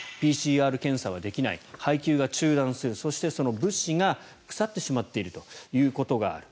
ＰＣＲ検査はできない配給が中断するそして、その物資が腐ってしまっているということがある。